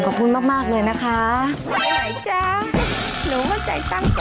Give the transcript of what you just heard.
ขอบคุณมากเลยนะคะ